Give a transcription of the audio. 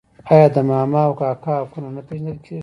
آیا د ماما او کاکا حقونه نه پیژندل کیږي؟